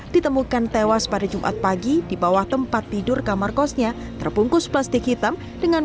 ditemukan tewas pada jumat pagi di bawah tempat tidur kamar kosnya terbungkus plastik hitam dengan